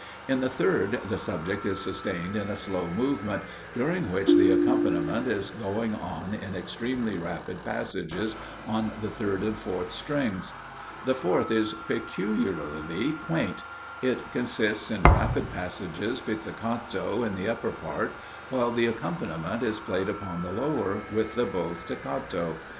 In the third the subject is sustained in a slow movement, during which the accompaniment is going on in extremely rapid passages on the third and fourth strings. The fourth is peculiarly quaint; it consists in rapid passages pizzicato in the upper part, while the accompaniment is played upon the lower, with the bow staccato.